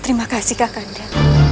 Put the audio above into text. terima kasih kakanda